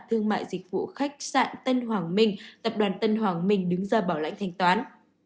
thương mại dịch vụ khách sạn tân hoàng minh tập đoàn tân hoàng minh đứng ra bảo lãnh thanh toán